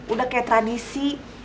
udah kayak tradisi